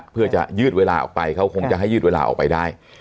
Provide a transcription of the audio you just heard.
เพื่อจะยืดเวลาออกไปเขาคงจะให้ยืดเวลาออกไปได้